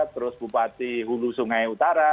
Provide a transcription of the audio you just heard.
terus bupati hulu sungai utara